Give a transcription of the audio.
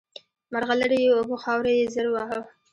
مرغلري یې اوبه خاوره یې زر وه